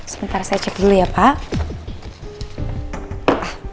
sebentar saya cek dulu ya pak